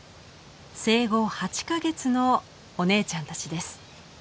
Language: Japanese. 生後８か月のお姉ちゃんたちです。